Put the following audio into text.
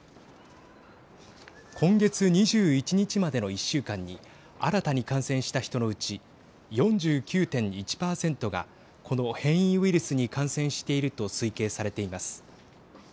今月２１日までの１週間に新たに感染した人のうち４９．１％がこの変異ウイルスに感染していると推計されています。